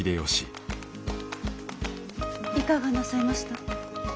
いかがなさいました？